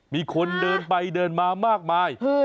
มีคนเดินไปเดินมามากมาย